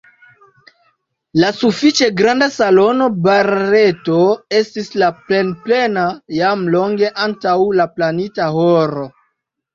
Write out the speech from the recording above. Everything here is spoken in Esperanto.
La sufiĉe granda salono Barreto estis plenplena jam longe antaŭ la planita horo.